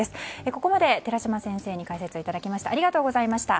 ここまで寺嶋先生に解説いただきました。